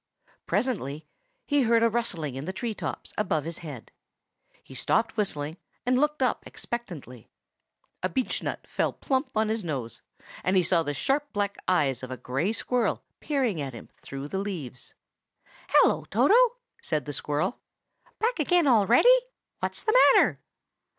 Presently he heard a rustling in the tree tops above his head. He stopped whistling and looked up expectantly. A beechnut fell plump on his nose, and he saw the sharp black eyes of a gray squirrel peering at him through the leaves. "Hello, Toto!" said the squirrel. "Back again already? What's the matter?"